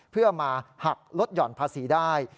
เพื่อมาหักลดหย่อนภาษีได้